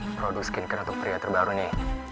produk skincare atau pria terbaru nih